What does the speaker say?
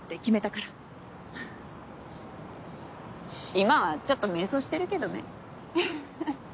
今はちょっと迷走してるけどねフフフフ。